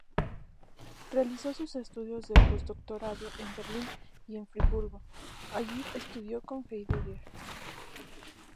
Realizó sus estudios de post-doctorado en Berlín y en Friburgo; allí estudió con Heidegger.